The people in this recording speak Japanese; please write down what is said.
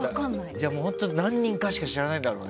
本当に何人かしか知らないんだろうね。